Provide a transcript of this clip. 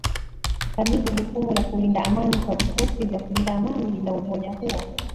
ukabidhi jukumu la kulinda amani kwa vikosi vya kulinda amani ni la umoja huo